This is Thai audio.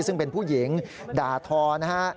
ซึ่งเป็นผู้หญิงด่าทอนะฮะ